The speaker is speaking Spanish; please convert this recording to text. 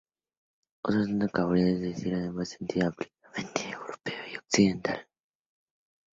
Otro tanto cabría decir además en sentido ampliamente europeo y occidental.